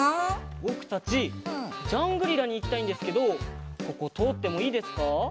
ぼくたちジャングリラにいきたいんですけどこことおってもいいですか？